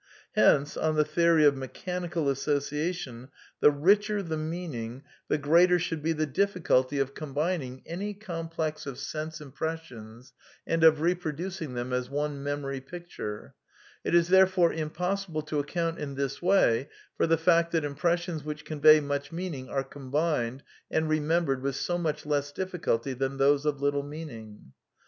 Hence, on the theory of mechanical association, ^ the richer the meaning the greater should be the difficulty of SOME QUESTIONS OF PSYCHOLOGY 91 A oombining any complex of sense impressions and of reproducinif^ I them as one memory picture; it is therefore impossible to ac count in this way for the fact that impressions which conyey much meaning are combined and remembered with so much less difScidty than those of little meaning."